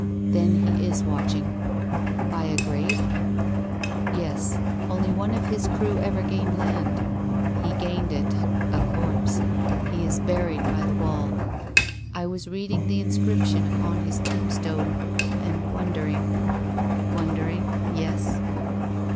" Then he is watching." " By a grave?" "Yes. Only one of his crew ever gained the land. He gained it — a corpse. He is buried by that wall. I was reading the inscription upon his tombstone, and wondering —" "Wondering? Yes?"